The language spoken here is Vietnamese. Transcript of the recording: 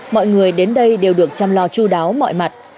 mọi người đến đây đều được chăm lo chú đáo mọi mặt